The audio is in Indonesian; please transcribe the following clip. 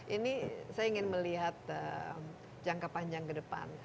ini saya ingin melihat jangka panjang ke depan